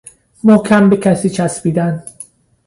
محکم به کسی چسبیدن